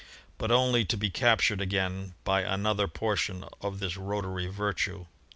. but only to be captured again by an other portion of this rotatory virtue."